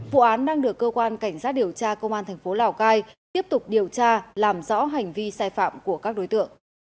vụ án đang được cơ quan cảnh sát điều tra công an thành phố lào cai tiếp tục điều tra làm rõ hành vi sai phạm của các đối tượng